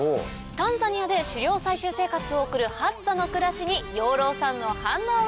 タンザニアで狩猟採集生活を送るハッザの暮らしに養老さんの反応は？